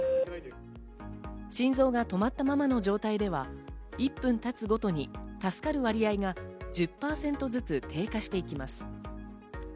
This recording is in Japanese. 心臓が止まったままの状態では１分経つごとに助かる割合が１０％ずつ低下していきます。